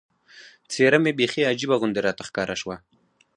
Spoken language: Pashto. څېره مې بیخي عجیبه غوندې راته ښکاره شوه.